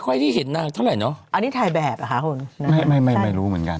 ไม่ค่อยที่เห็นหน้าเท่าไหร่เนอะอันนี้ถ่ายแบบอ่ะค่ะคุณไม่ไม่ไม่ไม่รู้เหมือนกัน